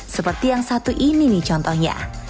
seperti yang satu ini nih contohnya